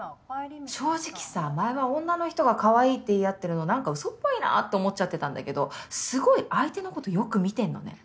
正直さ前は女の人が「カワイイ」って言い合ってるの何か嘘っぽいなと思っちゃってたんだけどすごい相手のことよく見てんのね。